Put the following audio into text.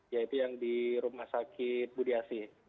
yaitu yang di rumah sakit budi asi